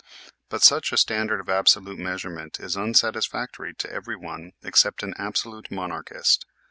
But such a standard of absolute measurement is unsatisfactory jto everyone except an absolute monarchist.